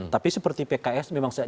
tapi seperti pks memang saat